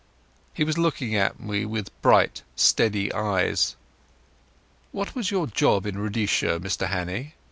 He was looking at me with bright steady eyes. "What was your job in Rhodesia, Mr Hannay?"